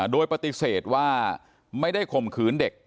โดยปฏิเสธว่าไม่ได้ข่มขืนเด็ก